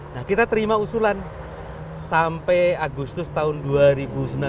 nah kita terima usulan sampai agustus tahun dua ribu sembilan belas itu sepuluh lima juta hektare